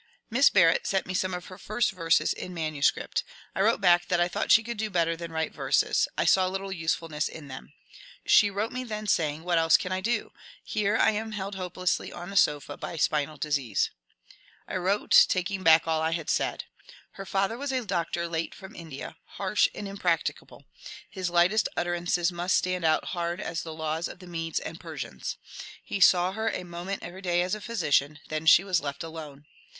Miss Barrett sent me some of her first verses in manuscript. I wrote back that I thought she could do better than write verses : I saw little usefulness in them. She wrote me then saying, *^ What else can I do ? Here I am held hopelessly on a sofa by spinal disease." I wrote taking back all I had said. Her father was a doctor late from India — harsh and im practicable ; his lightest utterances must stand out hard as the laws of the Medes and Persians. He saw her a moment every day as a physician ; then she was left alone.